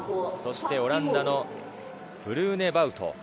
そしてオランダのフルーネバウト。